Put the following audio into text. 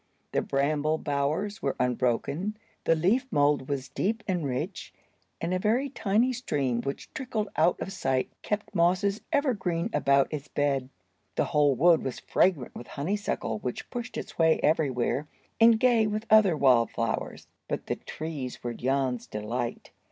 The bramble bowers were unbroken, the leaf mould was deep and rich, and a very tiny stream, which trickled out of sight, kept mosses ever green about its bed. The whole wood was fragrant with honeysuckle, which pushed its way everywhere, and gay with other wild flowers. But the trees were Jan's delight.